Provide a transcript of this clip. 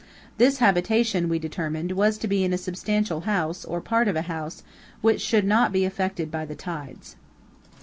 This habitation, we determined, was to be in a substantial house, or part of a house, which should not be affected by the tides.